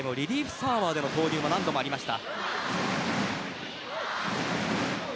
サーバでの投入も何度もありました。